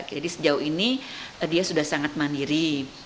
jadi sejauh ini dia sudah sangat mandiri